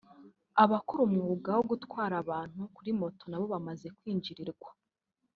abakora umwuga wo gutwara abantu kuri moto nabo bamaze kwinjirirwa